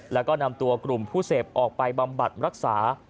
แล้วก็นำตัวกลุ่มผู้เสพออกไปบำบัดรักษา